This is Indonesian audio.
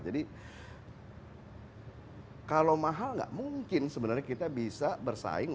jadi kalau mahal nggak mungkin sebenarnya kita bisa bersaing